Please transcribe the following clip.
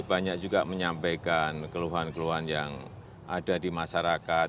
banyak juga menyampaikan keluhan keluhan yang ada di masyarakat